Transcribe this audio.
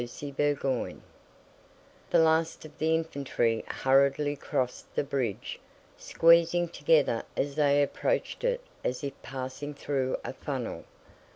CHAPTER VIII The last of the infantry hurriedly crossed the bridge, squeezing together as they approached it as if passing through a funnel.